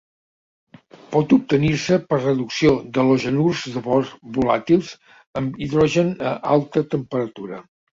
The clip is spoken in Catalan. Pot obtenir-se per reducció d'halogenurs de bor volàtils amb hidrogen a alta temperatura.